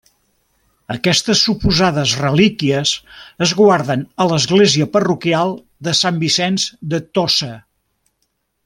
Aquestes suposades relíquies es guarden a l'església parroquial de Sant Vicenç de Tossa.